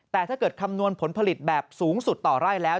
แต่ถ้าเกิดคำนวณผลผลิตแบบสูงสุดต่อไร่แล้ว